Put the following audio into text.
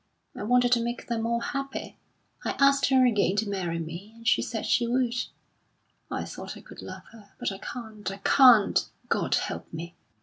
I wanted to make them all happy. I asked her again to marry me, and she said she would. I thought I could love her, but I can't I can't, God help me!"